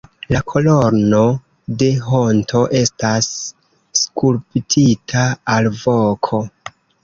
La Kolono de Honto estas skulptita alvoko.